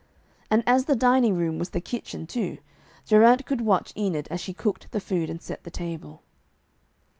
And as the dining room was the kitchen too, Geraint could watch Enid as she cooked the food and set the table.